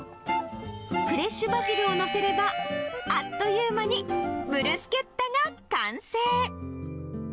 フレッシュバジルを載せれば、あっという間に、ブルスケッタが完成。